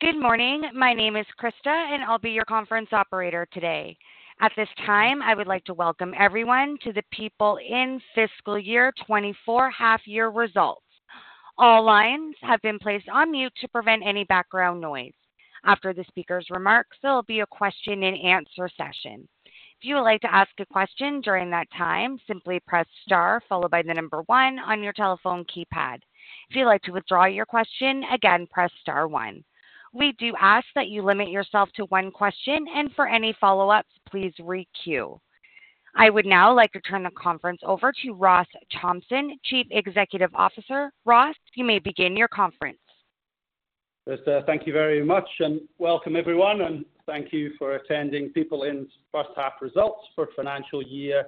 Good morning. My name is Krista, and I'll be your conference operator today. At this time, I would like to welcome everyone to the PeopleIN fiscal year 2024 half-year results. All lines have been placed on mute to prevent any background noise. After the speaker's remarks, there will be a question-and-answer session. If you would like to ask a question during that time, simply press star followed by the number one on your telephone keypad. If you'd like to withdraw your question, again, press star one. We do ask that you limit yourself to one question, and for any follow-ups, please re-queue. I would now like to turn the conference over to Ross Thompson, Chief Executive Officer. Ross, you may begin your conference. Krista, thank you very much, and welcome everyone. Thank you for attending PeopleIN's first half results for financial year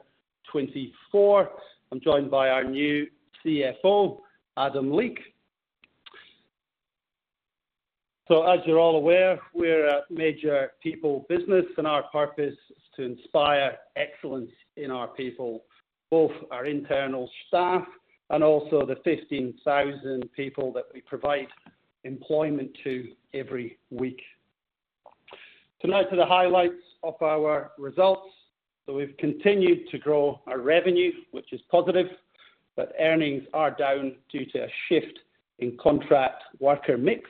2024. I'm joined by our new CFO, Adam Leake. So as you're all aware, we're a major people business, and our purpose is to inspire excellence in our people, both our internal staff and also the 15,000 people that we provide employment to every week. So now to the highlights of our results. So we've continued to grow our revenue, which is positive, but earnings are down due to a shift in contract worker mix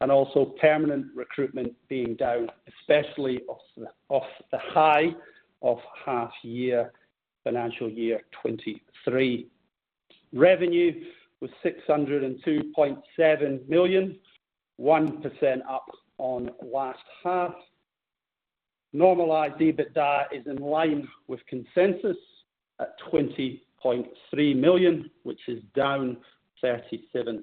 and also permanent recruitment being down, especially off the high of half-year financial year 2023. Revenue was 602.7 million, 1% up on last half. Normalised EBITDA is in line with consensus at 20.3 million, which is down 37%.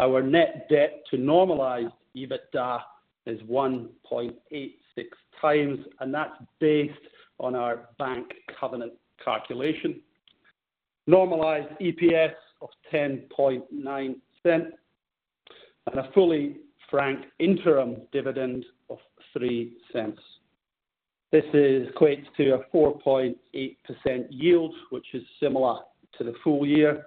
Our Net Debt to Normalized EBITDA is 1.86x, and that's based on our bank covenant calculation. Normalized EPS of 10.9% and a fully franked interim dividend of 0.03. This equates to a 4.8% yield, which is similar to the full year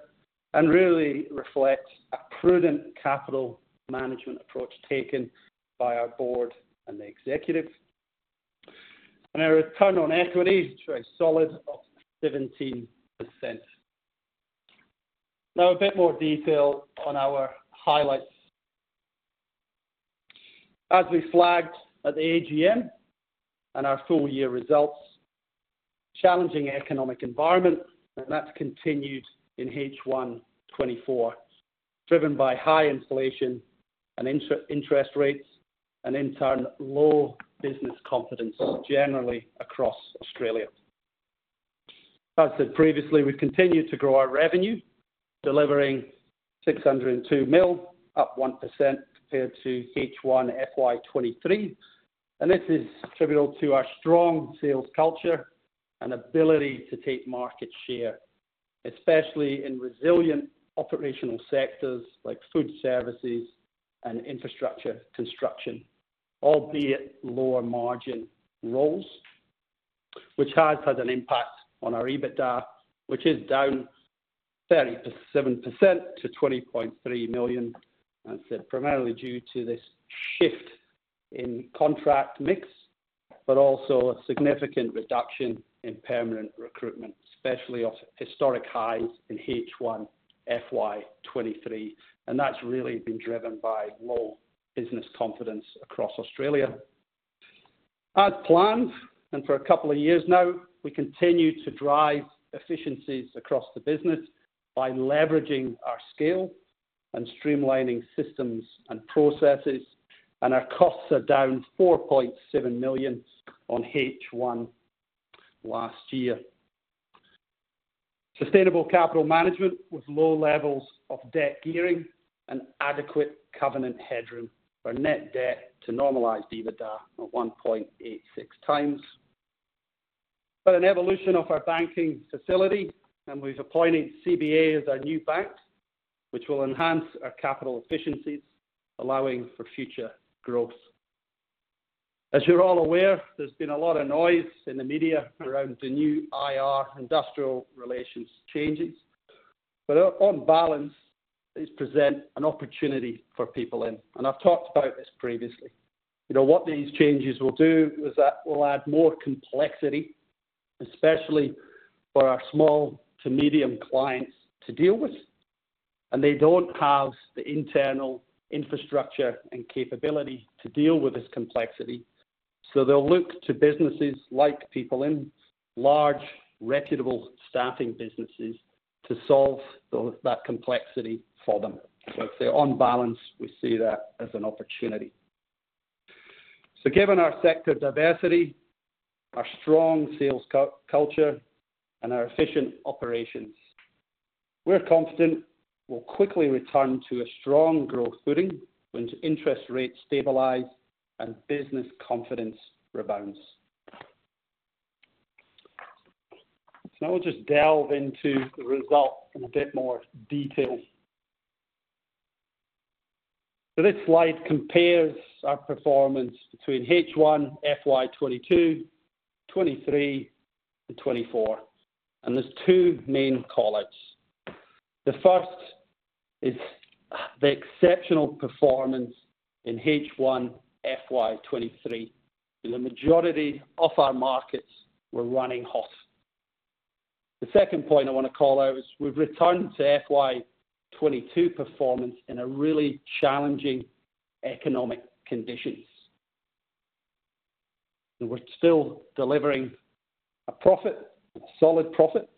and really reflects a prudent capital management approach taken by our board and the executive. Our return on equity is very solid at 17%. Now a bit more detail on our highlights. As we flagged at the AGM and our full-year results, challenging economic environment, and that's continued in H1 2024, driven by high inflation and interest rates and, in turn, low business confidence generally across Australia. As I said previously, we've continued to grow our revenue, delivering 602 million, up 1% compared to H1 FY 2023. This is vital to our strong sales culture and ability to take market share, especially in resilient operational sectors like food services and infrastructure construction, albeit lower-margin roles, which has had an impact on our EBITDA, which is down 37% to 20.3 million. I said primarily due to this shift in contract mix, but also a significant reduction in permanent recruitment, especially off historic highs in H1 FY 2023. That's really been driven by low business confidence across Australia. As planned, and for a couple of years now, we continue to drive efficiencies across the business by leveraging our scale and streamlining systems and processes, and our costs are down 4.7 million on H1 last year. Sustainable capital management with low levels of debt gearing and adequate covenant hedging, our net debt to normalised EBITDA of 1.86x. But an evolution of our banking facility, and we've appointed CBA as our new bank, which will enhance our capital efficiencies, allowing for future growth. As you're all aware, there's been a lot of noise in the media around the new IR, industrial relations changes. But on balance, these present an opportunity for PeopleIN. And I've talked about this previously. You know, what these changes will do is that will add more complexity, especially for our small to medium clients to deal with. And they don't have the internal infrastructure and capability to deal with this complexity, so they'll look to businesses like PeopleIN, large, reputable staffing businesses, to solve that complexity for them. So I'd say on balance, we see that as an opportunity. So given our sector diversity, our strong sales culture, and our efficient operations, we're confident we'll quickly return to a strong growth footing when interest rates stabilize and business confidence rebounds. So now we'll just delve into the results in a bit more detail. So this slide compares our performance between H1 FY 2022, 2023, and 2024, and there's two main callouts. The first is the exceptional performance in H1 FY 2023. The majority of our markets were running hot. The second point I wanna call out is we've returned to FY 2022 performance in really challenging economic conditions. And we're still delivering a profit, a solid profit,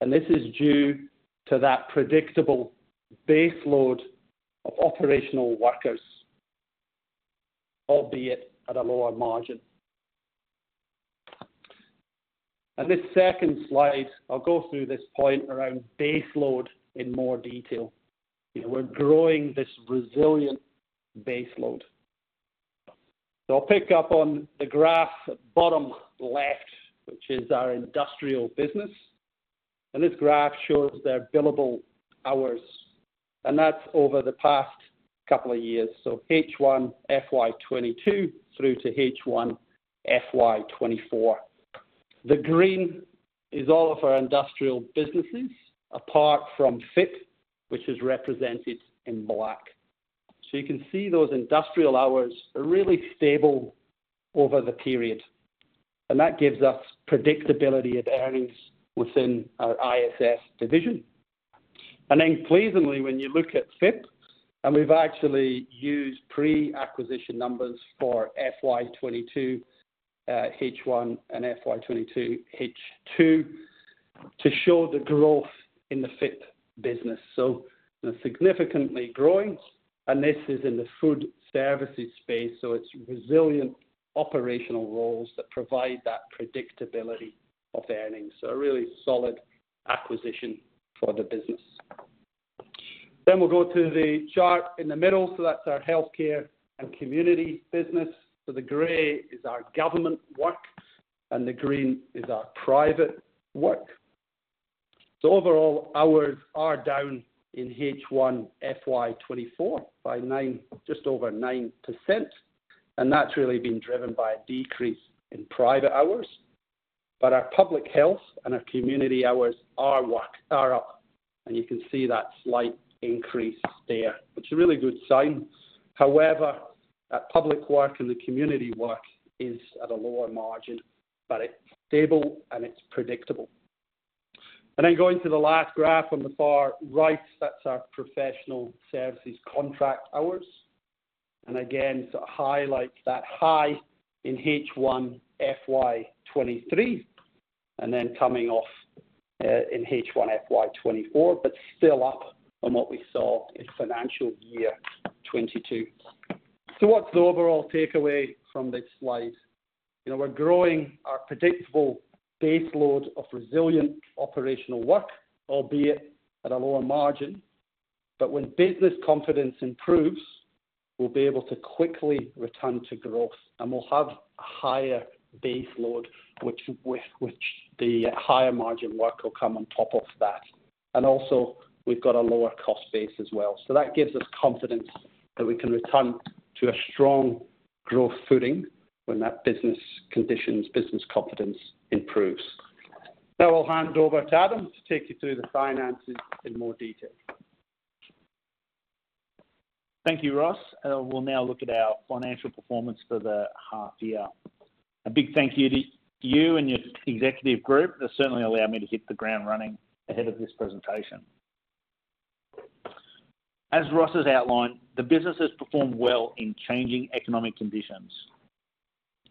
and this is due to that predictable base load of operational workers, albeit at a lower margin. And this second slide, I'll go through this point around base load in more detail. You know, we're growing this resilient base load. So I'll pick up on the graph bottom left, which is our industrial business. This graph shows their billable hours, and that's over the past couple of years, so H1 FY 2022 through to H1 FY 2024. The green is all of our industrial businesses, apart from FIP, which is represented in black. You can see those industrial hours are really stable over the period, and that gives us predictability of earnings within our ISS division. Then pleasantly, when you look at FIP - and we've actually used pre-acquisition numbers for FY 2022 H1 and FY 2022 H2 - to show the growth in the FIP business. They're significantly growing, and this is in the food services space, so it's resilient operational roles that provide that predictability of earnings, so a really solid acquisition for the business. We'll go to the chart in the middle. So that's our healthcare and community business. So the grey is our government work, and the green is our private work. So overall, hours are down in H1 FY 2024 by just over 9%, and that's really been driven by a decrease in private hours. But our public health and our community hours are up, and you can see that slight increase there, which is a really good sign. However, that public work and the community work is at a lower margin, but it's stable and it's predictable. And then going to the last graph on the far right, that's our professional services contract hours. And again, so it highlights that high in H1 FY 2023 and then coming off in H1 FY 2024, but still up on what we saw in financial year 2022. So what's the overall takeaway from this slide? You know, we're growing our predictable base load of resilient operational work, albeit at a lower margin. But when business confidence improves, we'll be able to quickly return to growth, and we'll have a higher base load, which with which the higher margin work will come on top of that. And also, we've got a lower cost base as well. So that gives us confidence that we can return to a strong growth footing when that business conditions, business confidence improves. Now I'll hand over to Adam to take you through the finances in more detail. Thank you, Ross. We'll now look at our financial performance for the half year. A big thank you to you and your executive group. That certainly allowed me to hit the ground running ahead of this presentation. As Ross has outlined, the business has performed well in changing economic conditions.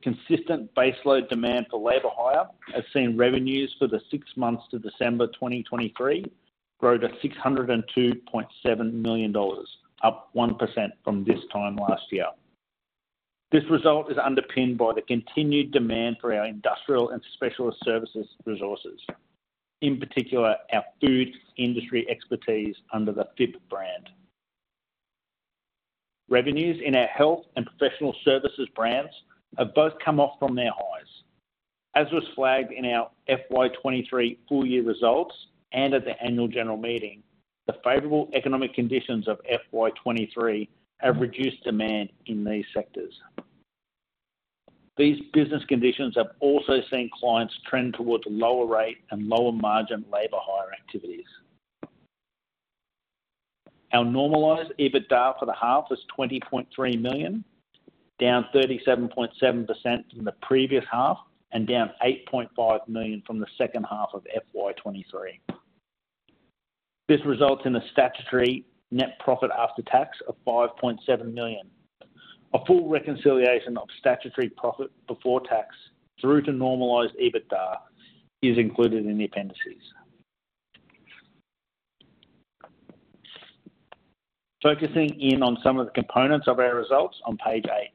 Consistent base load demand for labor hire has seen revenues for the six months to December 2023 grow to 602.7 million dollars, up 1% from this time last year. This result is underpinned by the continued demand for our Industrial and Specialist Services resources, in particular our food industry expertise under the FIP brand. Revenues in our health and professional services brands have both come off from their highs. As was flagged in our FY 2023 full-year results and at the annual general meeting, the favorable economic conditions of FY 2023 have reduced demand in these sectors. These business conditions have also seen clients trend towards lower-rate and lower-margin labor hire activities. Our normalized EBITDA for the half is 20.3 million, down 37.7% from the previous half and down 8.5 million from the second half of FY 2023. This results in a statutory net profit after tax of 5.7 million. A full reconciliation of statutory profit before tax through to normalized EBITDA is included in the appendices. Focusing in on some of the components of our results on page eight.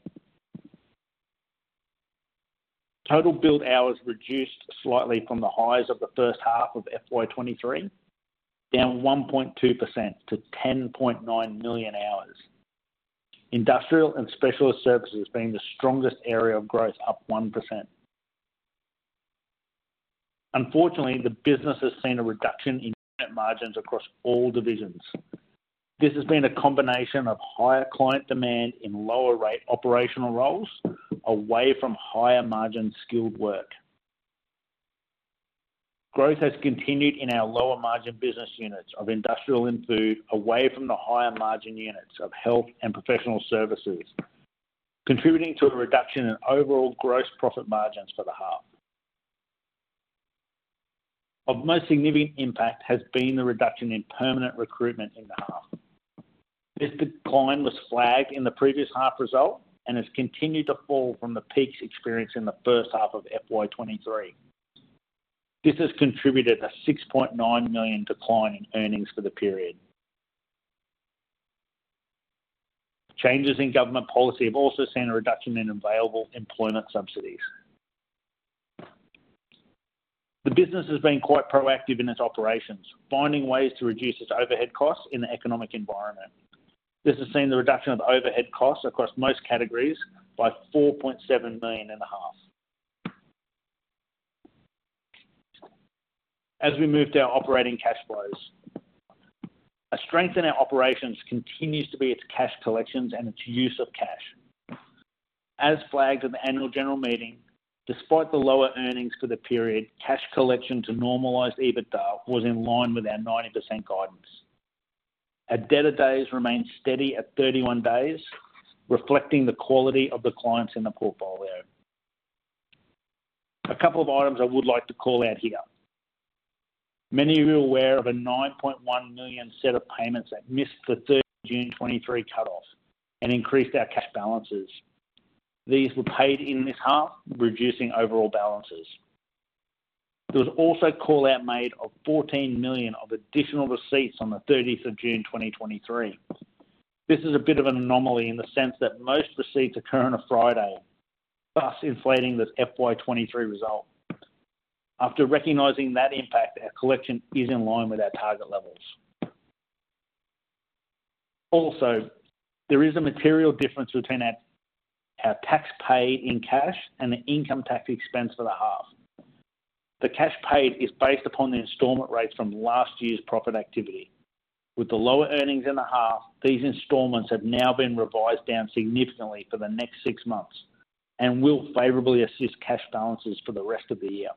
Total billed hours reduced slightly from the highs of the first half of FY 2023, down 1.2% to 10.9 million hours, Industrial and Specialist Services being the strongest area of growth, up 1%. Unfortunately, the business has seen a reduction in net margins across all divisions. This has been a combination of higher client demand in lower-rate operational roles away from higher-margin skilled work. Growth has continued in our lower-margin business units of industrial and food away from the higher-margin units of health and professional services, contributing to a reduction in overall gross profit margins for the half. Of most significant impact has been the reduction in permanent recruitment in the half. This decline was flagged in the previous half result and has continued to fall from the peaks experienced in the first half of FY 2023. This has contributed a 6.9 million decline in earnings for the period. Changes in government policy have also seen a reduction in available employment subsidies. The business has been quite proactive in its operations, finding ways to reduce its overhead costs in the economic environment. This has seen the reduction of overhead costs across most categories by 4.7 million in the half. As we moved our operating cash flows, a strength in our operations continues to be its cash collections and its use of cash. As flagged at the annual general meeting, despite the lower earnings for the period, cash collection to normalized EBITDA was in line with our 90% guidance. Our debtor days remained steady at 31 days, reflecting the quality of the clients in the portfolio. A couple of items I would like to call out here. Many of you are aware of a 9.1 million set of payments that missed the 30th of June 2023 cutoff and increased our cash balances. These were paid in this half, reducing overall balances. There was also a callout made of 14 million of additional receipts on the 30th of June 2023. This is a bit of an anomaly in the sense that most receipts occur on a Friday, thus inflating this FY 2023 result. After recognizing that impact, our collection is in line with our target levels. Also, there is a material difference between our tax paid in cash and the income tax expense for the half. The cash paid is based upon the installment rates from last year's profit activity. With the lower earnings in the half, these installments have now been revised down significantly for the next six months and will favorably assist cash balances for the rest of the year.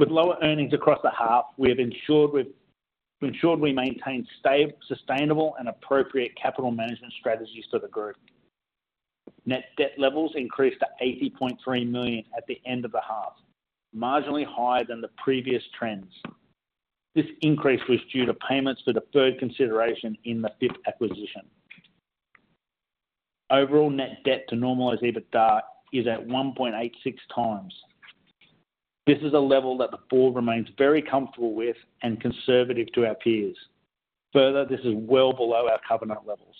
With lower earnings across the half, we have ensured we maintain sustainable and appropriate capital management strategies for the group. Net debt levels increased to 80.3 million at the end of the half, marginally higher than the previous trends. This increase was due to payments for the third consideration in the FIP acquisition. Overall net debt to normalized EBITDA is at 1.86x. This is a level that the board remains very comfortable with and conservative to our peers. Further, this is well below our covenant levels.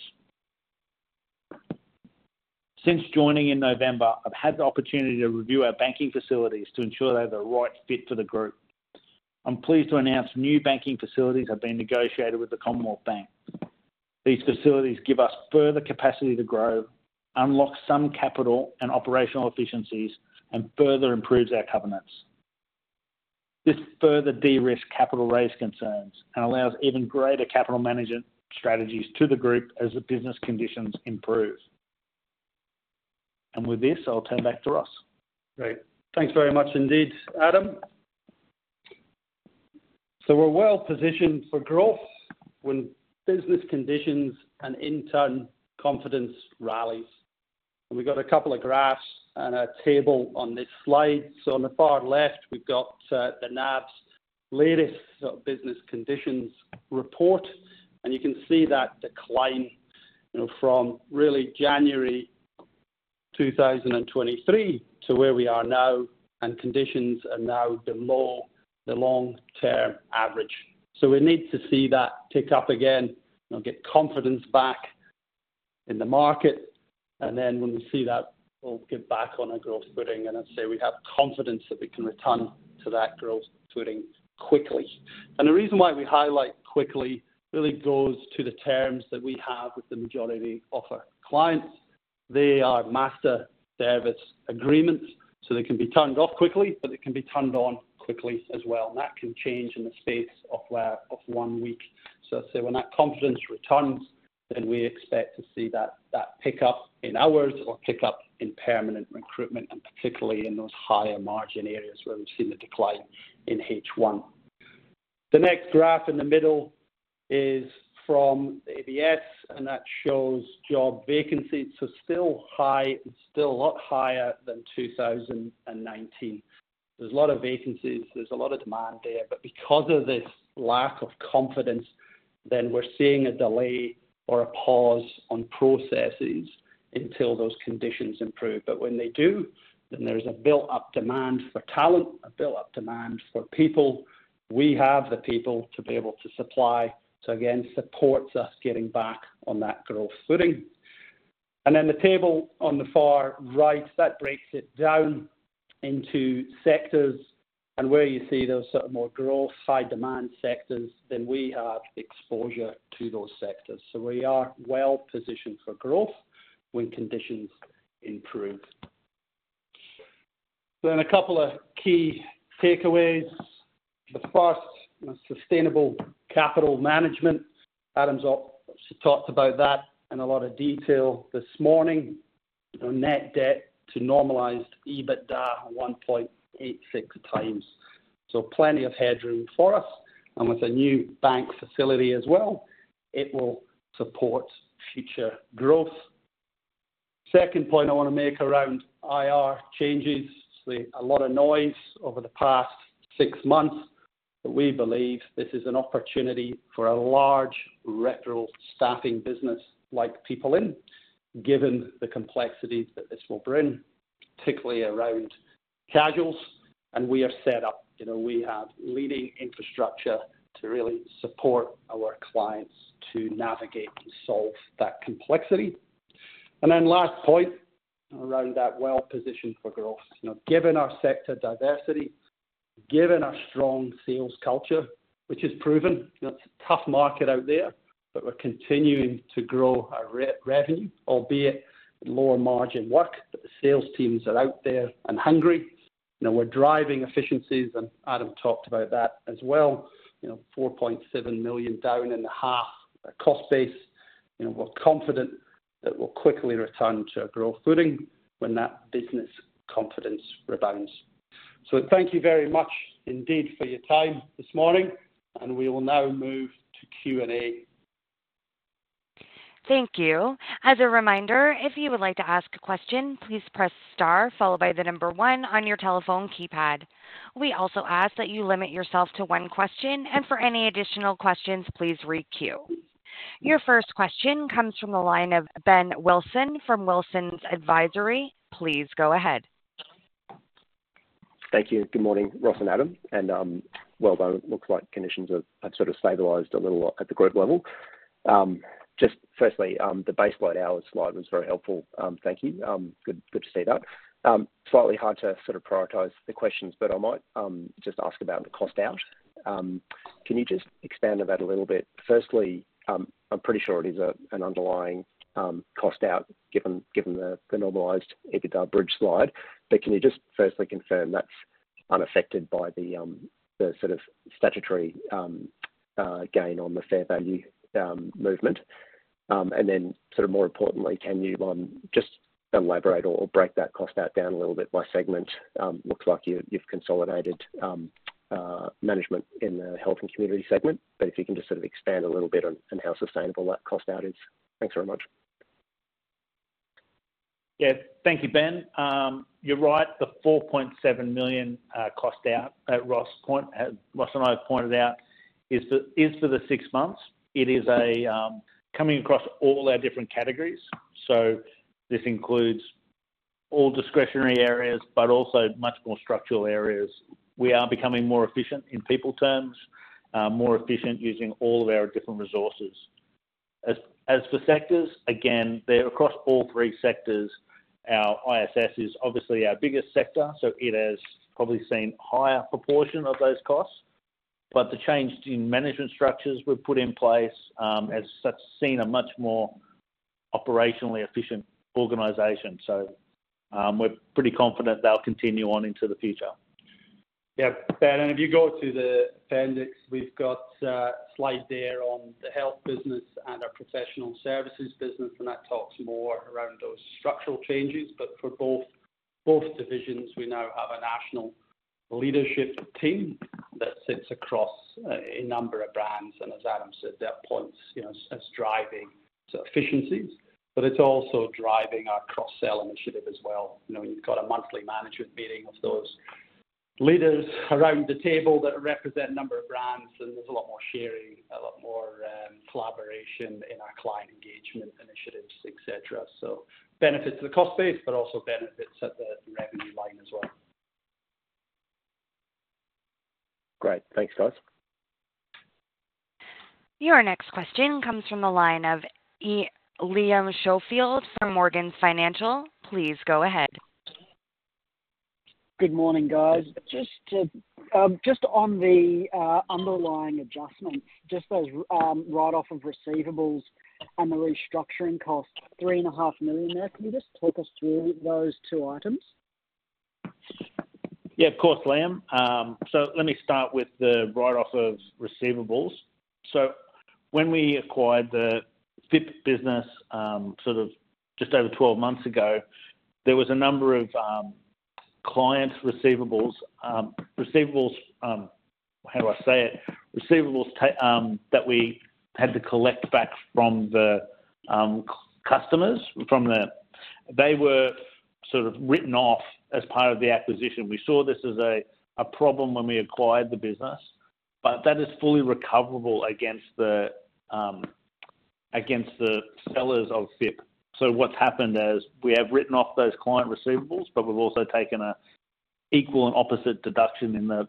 Since joining in November, I've had the opportunity to review our banking facilities to ensure they're the right fit for the group. I'm pleased to announce new banking facilities have been negotiated with the Commonwealth Bank. These facilities give us further capacity to grow, unlock some capital and operational efficiencies, and further improve our covenants. This further de-risk capital raise concerns and allows even greater capital management strategies to the group as the business conditions improve. And with this, I'll turn back to Ross. Great. Thanks very much indeed, Adam. So we're well positioned for growth when business conditions and investor confidence rallies. And we've got a couple of graphs and a table on this slide. So on the far left, we've got the NAB's latest sort of business conditions report, and you can see that decline, you know, from really January 2023 to where we are now, and conditions are now below the long-term average. So we need to see that tick up again, you know, get confidence back in the market. And then when we see that, we'll get back on our growth footing and say we have confidence that we can return to that growth footing quickly. And the reason why we highlight quickly really goes to the terms that we have with the majority of our clients. They are Master Service Agreements, so they can be turned off quickly, but they can be turned on quickly as well. And that can change in the space of where of one week. So I'd say when that confidence returns, then we expect to see that that pickup in hours or pickup in permanent recruitment, and particularly in those higher margin areas where we've seen the decline in H1. The next graph in the middle is from the ABS, and that shows job vacancies. So still high and still a lot higher than 2019. There's a lot of vacancies. There's a lot of demand there. But because of this lack of confidence, then we're seeing a delay or a pause on processes until those conditions improve. But when they do, then there's a built-up demand for talent, a built-up demand for people. We have the people to be able to supply. So again, supports us getting back on that growth footing. And then the table on the far right, that breaks it down into sectors and where you see those sort of more growth, high-demand sectors, then we have exposure to those sectors. So we are well positioned for growth when conditions improve. Then a couple of key takeaways. The first, you know, sustainable capital management. Adam's also talked about that in a lot of detail this morning. You know, net debt to normalized EBITDA 1.86x. So plenty of headroom for us. And with a new bank facility as well, it will support future growth. Second point I wanna make around IR changes. So a lot of noise over the past six months, but we believe this is an opportunity for a large referral staffing business like PeopleIN, given the complexities that this will bring, particularly around casuals. We are set up. You know, we have leading infrastructure to really support our clients to navigate and solve that complexity. Then last point around that well position for growth. You know, given our sector diversity, given our strong sales culture, which is proven, you know, it's a tough market out there, but we're continuing to grow our revenue, albeit lower margin work, but the sales teams are out there and hungry. You know, we're driving efficiencies, and Adam talked about that as well. You know, 4.7 million down in the half, a cost base. You know, we're confident that we'll quickly return to a growth footing when that business confidence rebounds. Thank you very much indeed for your time this morning, and we will now move to Q&A. Thank you. As a reminder, if you would like to ask a question, please press star followed by the number one on your telephone keypad. We also ask that you limit yourself to one question, and for any additional questions, please re-queue. Your first question comes from the line of Ben Wilson from Wilsons Advisory. Please go ahead. Thank you. Good morning, Ross and Adam. Well done. Looks like conditions have sort of stabilized a little lot at the group level. Just firstly, the baseload hours slide was very helpful. Thank you. Good to see that. Slightly hard to sort of prioritize the questions, but I might just ask about the cost out. Can you just expand on that a little bit? Firstly, I'm pretty sure it is an underlying cost out given the normalized EBITDA bridge slide. But can you just firstly confirm that's unaffected by the sort of statutory gain on the fair value movement? And then sort of more importantly, can you just elaborate or break that cost out down a little bit by segment? Looks like you've consolidated management in the health and community segment. But if you can just sort of expand a little bit on how sustainable that cost out is. Thanks very much. Yeah. Thank you, Ben. You're right. The 4.7 million cost out, as Ross pointed out, Ross and I have pointed out, is for the six months. It is a coming across all our different categories. So this includes all discretionary areas but also much more structural areas. We are becoming more efficient in people terms, more efficient using all of our different resources. As for sectors, again, they're across all three sectors. Our ISS is obviously our biggest sector, so it has probably seen higher proportion of those costs. But the change in management structures we've put in place has seen a much more operationally efficient organization. So, we're pretty confident they'll continue on into the future. Yeah. Ben, and if you go to the appendix, we've got a slide there on the health business and our professional services business, and that talks more around those structural changes. But for both divisions, we now have a national leadership team that sits across a number of brands. And as Adam said, their points, you know, as driving sort of efficiencies. But it's also driving our cross-sell initiative as well. You know, you've got a monthly management meeting with those leaders around the table that represent a number of brands, and there's a lot more sharing, a lot more collaboration in our client engagement initiatives, etc. So benefits to the cost base but also benefits at the revenue line as well. Great. Thanks, guys. Your next question comes from the line of Liam Schofield from Morgans Financial. Please go ahead. Good morning, guys. Just on the underlying adjustments, just those write-off of receivables and the restructuring cost, 3.5 million there. Can you just talk us through those two items? Yeah, of course, Liam. So let me start with the write-off of receivables. So when we acquired the FIP business, sort of just over 12 months ago, there was a number of client receivables that we had to collect back from the customers; they were sort of written off as part of the acquisition. We saw this as a problem when we acquired the business, but that is fully recoverable against the sellers of FIP. So what's happened is we have written off those client receivables, but we've also taken a equal and opposite deduction in the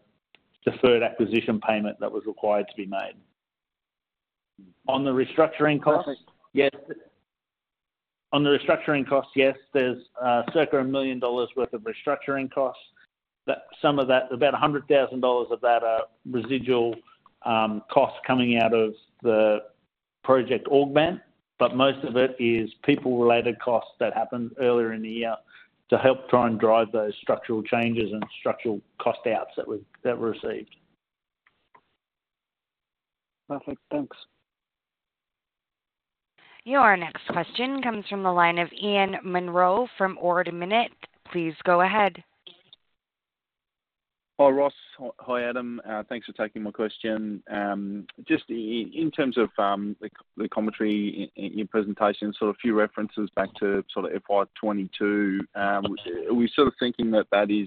deferred acquisition payment that was required to be made. On the restructuring cost. Perfect. Yes. On the restructuring cost, yes, there's, circa 1 million dollars worth of restructuring costs. That some of that about 100,000 dollars of that are residual, costs coming out of the Project Augment, but most of it is people-related costs that happened earlier in the year to help try and drive those structural changes and structural cost outs that were that were received. Perfect. Thanks. Your next question comes from the line of Ian Munro from Ord Minnett. Please go ahead. Hi, Ross. Hi, Adam. Thanks for taking my question. Just in terms of the commentary in your presentation, sort of a few references back to sort of FY22, we're sort of thinking that that is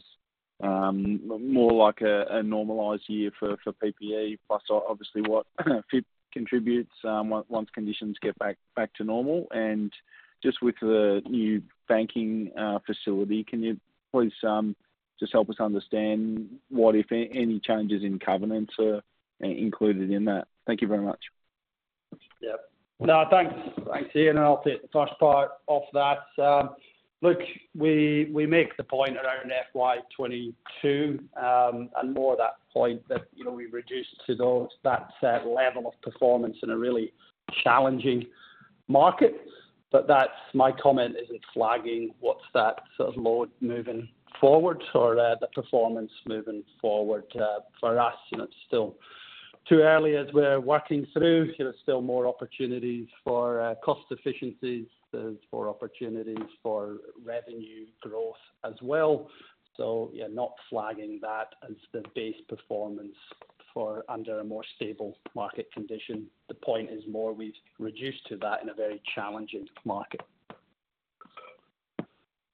more like a normalized year for PPE plus obviously what FIP contributes, once conditions get back to normal. And just with the new banking facility, can you please just help us understand what if any changes in covenants are included in that? Thank you very much. Yeah. No, thanks. Thanks, Ian. And I'll take the first part off that. Look, we make the point around FY 2022, and more of that point that, you know, we've reduced to that set level of performance in a really challenging market. But that's my comment isn't flagging what's that sort of low moving forward or, the performance moving forward, for us. You know, it's still too early as we're working through. You know, still more opportunities for cost efficiencies. There's more opportunities for revenue growth as well. So yeah, not flagging that as the base performance forward under a more stable market condition. The point is more we've reduced to that in a very challenging market.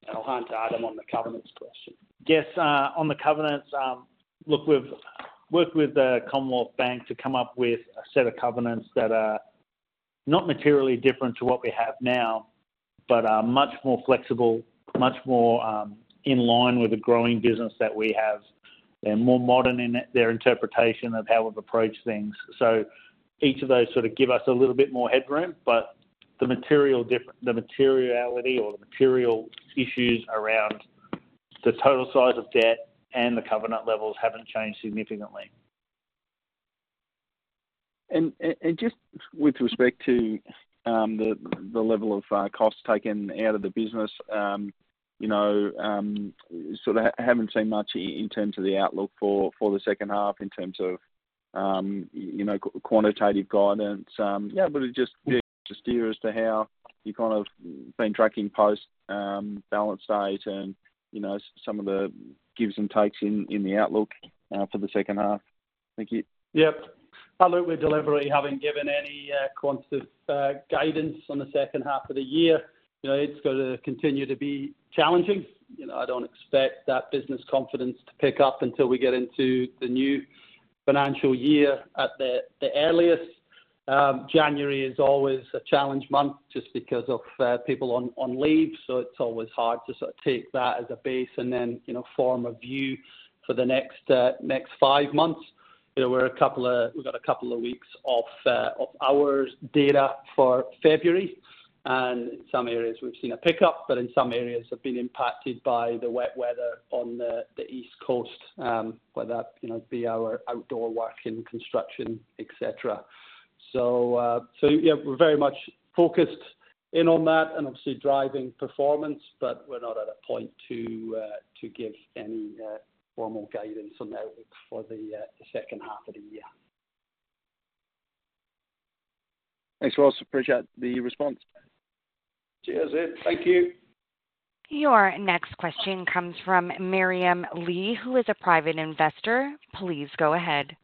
And I'll hand to Adam on the covenants question. Yes. On the covenants, look, we've worked with the Commonwealth Bank to come up with a set of covenants that are not materially different to what we have now but are much more flexible, much more in line with the growing business that we have. They're more modern in their interpretation of how we've approached things. So each of those sort of give us a little bit more headroom, but the materiality or the material issues around the total size of debt and the covenant levels haven't changed significantly. And just with respect to the level of costs taken out of the business, you know, sort of haven't seen much in terms of the outlook for the second half in terms of, you know, quantitative guidance. Yeah, but it just. Yeah. Just a query as to how you've kind of been tracking post-balance date and, you know, some of the gives and takes in the outlook for the second half. Thank you. Yep. Absolutely. Deliberately. Haven't given any quantitative guidance on the second half of the year. You know, it's gonna continue to be challenging. You know, I don't expect that business confidence to pick up until we get into the new financial year at the earliest. January is always a challenge month just because of people on leave. So it's always hard to sort of take that as a base and then, you know, form a view for the next five months. You know, we've got a couple of weeks of our data for February. And in some areas, we've seen a pickup, but in some areas have been impacted by the wet weather on the East Coast, whether that, you know, be our outdoor work in construction, etc. So yeah, we're very much focused in on that and obviously driving performance, but we're not at a point to give any formal guidance on the outlook for the second half of the year. Thanks, Ross. Appreciate the response. Cheers, Ian. Thank you. Your next question comes from Miriam Lee, who is a private investor. Please go ahead.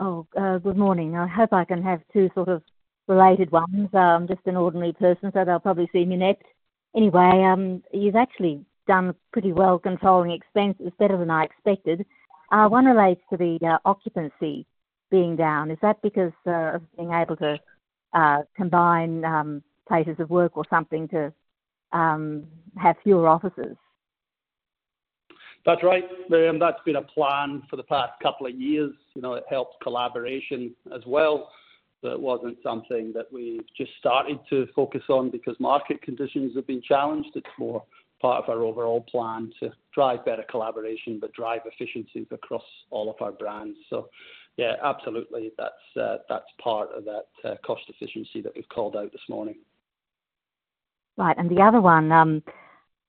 Oh, good morning. I hope I can have two sort of related ones. I'm just an ordinary person, so they'll probably see me next. Anyway, you've actually done pretty well controlling expenses. It's better than I expected. One relates to the occupancy being down. Is that because of being able to combine places of work or something to have fewer offices? That's right, Miriam. That's been a plan for the past couple of years. You know, it helps collaboration as well. But it wasn't something that we've just started to focus on because market conditions have been challenged. It's more part of our overall plan to drive better collaboration but drive efficiencies across all of our brands. So yeah, absolutely, that's, that's part of that, cost efficiency that we've called out this morning. Right. And the other one,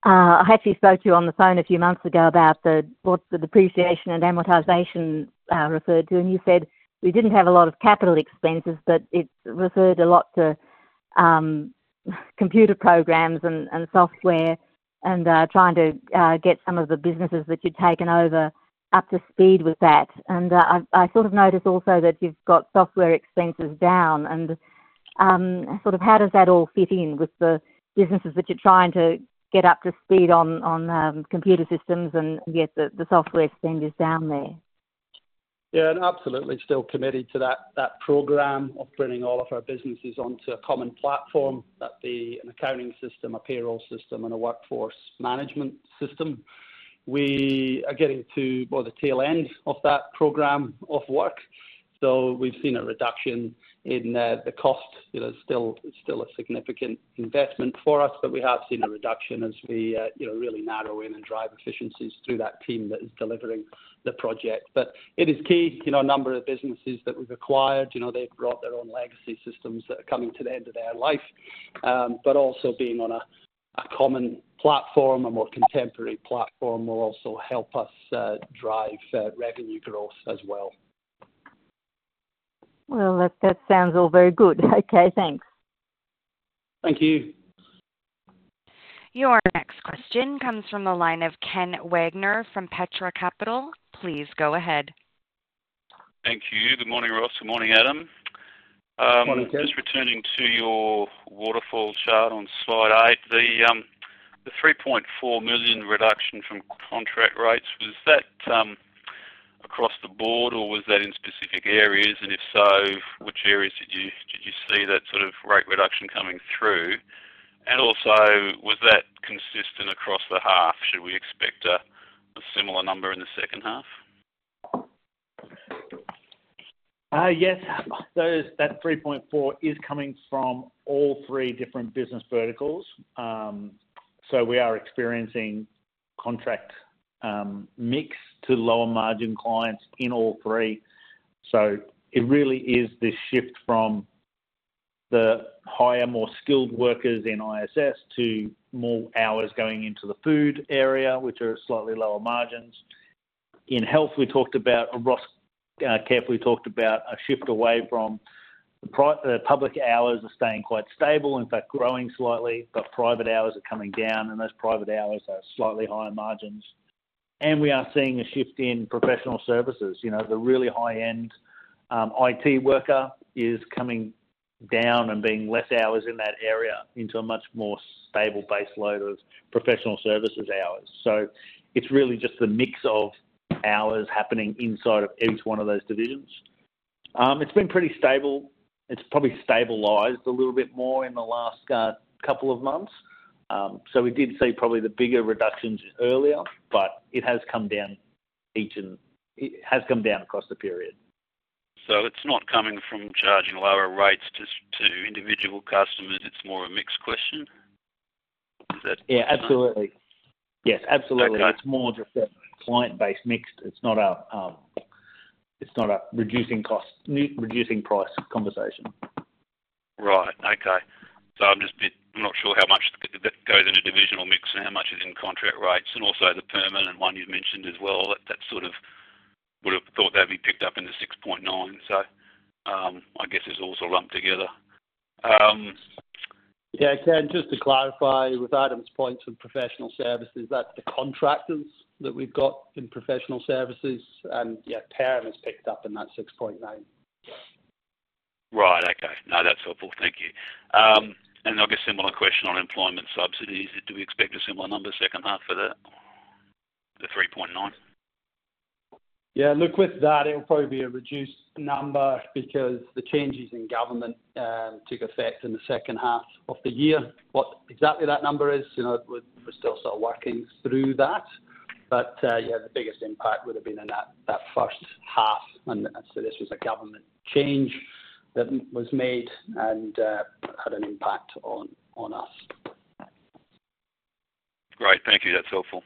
I actually spoke to you on the phone a few months ago about what the depreciation and amortization referred to. And you said we didn't have a lot of capital expenses, but it referred a lot to computer programs and software and trying to get some of the businesses that you'd taken over up to speed with that. And I've sort of noticed also that you've got software expenses down. And sort of how does that all fit in with the businesses that you're trying to get up to speed on computer systems and yet the software spend is down there? Yeah. And absolutely still committed to that programme of bringing all of our businesses onto a common platform, that be an accounting system, a payroll system, and a workforce management system. We are getting to more the tail end of that programme of work. So we've seen a reduction in the cost. You know, it's still a significant investment for us, but we have seen a reduction as we, you know, really narrow in and drive efficiencies through that team that is delivering the project. But it is key. You know, a number of businesses that we've acquired, you know, they've brought their own legacy systems that are coming to the end of their life. But also being on a common platform, a more contemporary platform, will also help us drive revenue growth as well. Well, that sounds all very good. Okay. Thanks. Thank you. Your next question comes from the line of Ken Wagner from Petra Capital. Please go ahead. Thank you. Good morning, Ross. Good morning, Adam. Good morning, Ken. Just returning to your waterfall chart on slide eight. The 3.4 million reduction from contract rates. Was that across the board, or was that in specific areas? And if so, which areas did you see that sort of rate reduction coming through? And also, was that consistent across the half? Should we expect a similar number in the second half? Yes. That 3.4 million is coming from all three different business verticals. So we are experiencing contract mix to lower-margin clients in all three. So it really is this shift from the higher, more skilled workers in ISS to more hours going into the food area, which are at slightly lower margins. In health, we talked about a cost shift, we talked about a shift away from the private; the public hours are staying quite stable, in fact, growing slightly, but private hours are coming down, and those private hours are slightly higher margins. And we are seeing a shift in professional services. You know, the really high-end, IT worker is coming down and being less hours in that area into a much more stable base load of professional services hours. So it's really just the mix of hours happening inside of each one of those divisions. It's been pretty stable. It's probably stabilized a little bit more in the last couple of months. So we did see probably the bigger reductions earlier, but it has come down each in it has come down across the period. So it's not coming from charging lower rates just to individual customers. It's more a mixed question? Is that, Yeah. Absolutely. Yes. Absolutely. Okay. It's more just a client-based mix. It's not, it's not a reducing cost new reducing price conversation. Right. Okay. So I'm just a bit. I'm not sure how much that goes in a divisional mix and how much is in contract rates. And also the permanent one you've mentioned as well, that sort of I would have thought they'd be picked up in the 6.9. So, I guess it's all sort of lumped together. Yeah. Ken, just to clarify, with Adam's points on professional services, that's the contractors that we've got in professional services, and yeah, Perm has picked up in that 6.9. Right. Okay. No, that's helpful. Thank you. I guess similar question on employment subsidies. Do we expect a similar number second half for that, the 3.9? Yeah. Look, with that, it'll probably be a reduced number because the changes in government took effect in the second half of the year. What exactly that number is, you know, we're still sort of working through that. But, yeah, the biggest impact would have been in that first half. So this was a government change that was made and had an impact on us. Great. Thank you. That's helpful.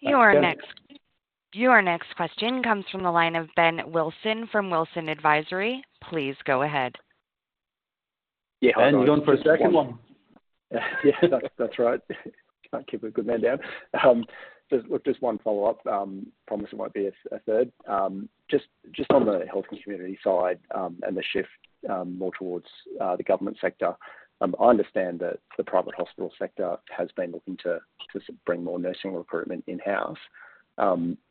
Your next question comes from the line of Ben Wilson from Wilsons Advisory. Please go ahead. Yeah. Hold on. Ben, you're on for a second one. Yeah. That's right. Can't keep a good man down. Just look, just one follow-up. Promise it won't be a third. Just on the health and community side, and the shift more towards the government sector, I understand that the private hospital sector has been looking to bring more nursing recruitment in-house.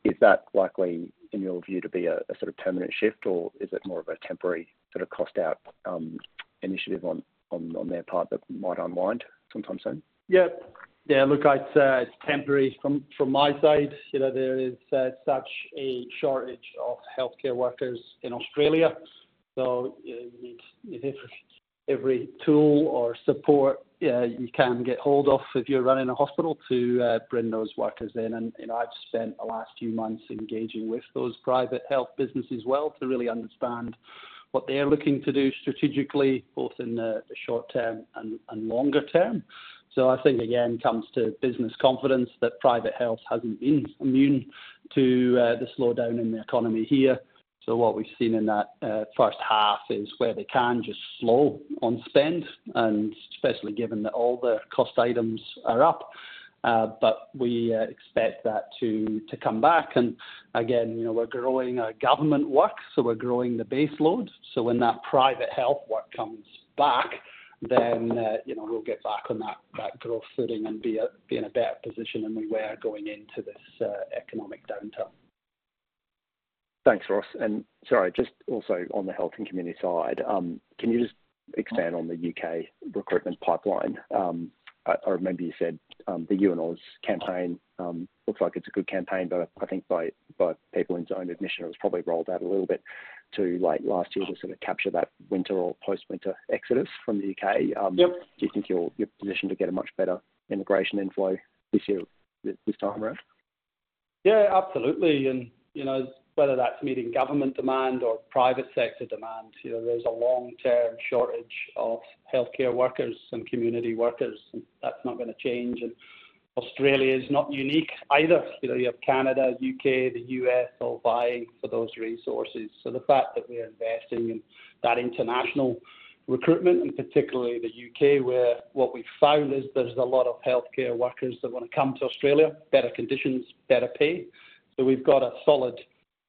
Is that likely, in your view, to be a sort of permanent shift, or is it more of a temporary sort of cost-out initiative on their part that might unwind sometime soon? Yep. Yeah. Look, I'd say it's temporary from my side. You know, there is such a shortage of healthcare workers in Australia, so you need every tool or support you can get hold of if you're running a hospital to bring those workers in. And, you know, I've spent the last few months engaging with those private health businesses, well, to really understand what they're looking to do strategically, both in the short term and longer term. So I think, again, comes to business confidence that private health hasn't been immune to the slowdown in the economy here. So what we've seen in that first half is where they can just slow on spend, and especially given that all the cost items are up. But we expect that to come back. And again, you know, we're growing our government work, so we're growing the base load. So when that private health work comes back, then, you know, we'll get back on that growth footing and be in a better position than we were going into this economic downturn. Thanks, Ross. And sorry, just also on the health and community side, can you just expand on the UK recruitment pipeline? Or maybe you said, the You+Aus campaign, looks like it's a good campaign, but I think by PeopleIN's own admission, it was probably rolled out a little bit too late last year to sort of capture that winter or post-winter exodus from the UK. Yep. Do you think you're positioned to get a much better integration inflow this year this time around? Yeah. Absolutely. And, you know, whether that's meeting government demand or private sector demand, you know, there's a long-term shortage of healthcare workers and community workers, and that's not gonna change. And Australia is not unique either. You know, you have Canada, U.K., the U.S. all vying for those resources. So the fact that we're investing in that international recruitment, and particularly the U.K., where what we've found is there's a lot of healthcare workers that wanna come to Australia, better conditions, better pay. So we've got a solid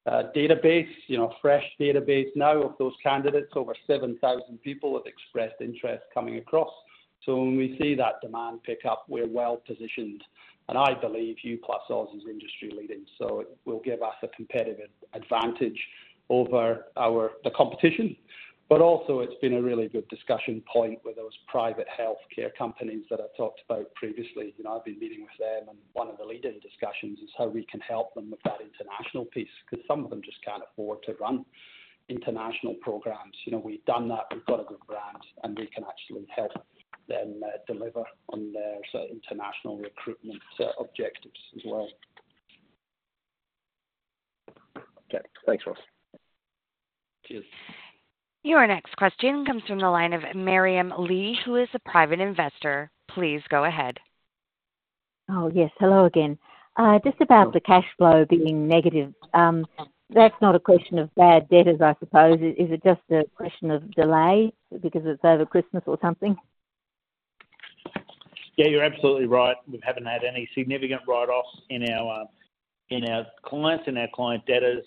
database, you know, a fresh database now of those candidates. Over 7,000 people have expressed interest coming across. So when we see that demand pick up, we're well positioned. And I believe You+Aus is industry-leading, so it will give us a competitive advantage over the competition. But also, it's been a really good discussion point with those private healthcare companies that I talked about previously. You know, I've been meeting with them, and one of the leading discussions is how we can help them with that international piece because some of them just can't afford to run international programs. You know, we've done that. We've got a good brand, and we can actually help them, deliver on their sort of international recruitment, objectives as well. Okay. Thanks, Ross. Cheers. Your next question comes from the line of Miriam Lee, who is a private investor. Please go ahead. Oh, yes. Hello again. Just about the cash flow being negative. That's not a question of bad debtors, I suppose. Is it just a question of delay because it's over Christmas or something? Yeah. You're absolutely right. We haven't had any significant write-offs in our, in our clients and our client debtors.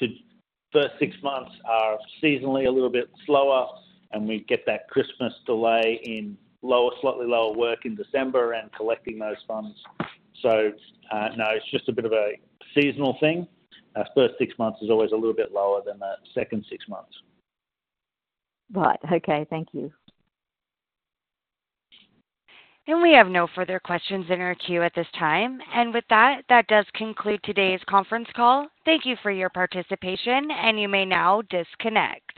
The first six months are seasonally a little bit slower, and we get that Christmas delay in lower slightly lower work in December and collecting those funds. So, no, it's just a bit of a seasonal thing. First six months is always a little bit lower than the second six months. Right. Okay. Thank you. We have no further questions in our queue at this time. With that, that does conclude today's conference call. Thank you for your participation, and you may now disconnect.